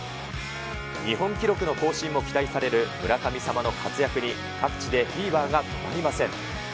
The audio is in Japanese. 日本記録の更新も期待される村神様の活躍に、各地でフィーバーが止まりません。